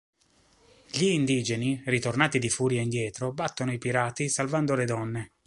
Gli indigeni, ritornati di furia indietro, battono i pirati, salvando le donne.